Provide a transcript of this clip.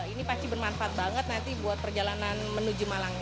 ini pasti bermanfaat banget nanti buat perjalanan menuju malang